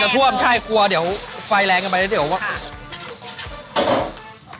ท่วมใช่กลัวเดี๋ยวไฟแรงกันไปแล้วเดี๋ยวว่า